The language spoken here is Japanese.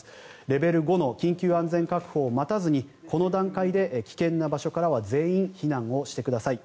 レベル５の緊急安全確保を待たずにこの段階で危険な場所からは全員避難をしてください。